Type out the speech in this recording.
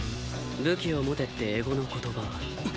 「武器を持て」って絵心の言葉。